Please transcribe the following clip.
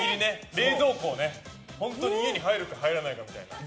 冷蔵庫を本当に家に入るか入らないかで。